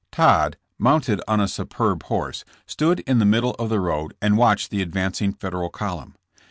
Todd mounted on a superb horse, stood in the middle of the road and watched the advancing Federal column.